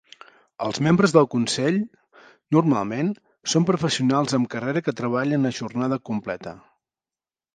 Els membres del consell, normalment, són professionals amb carrera que treballen a jornada completa.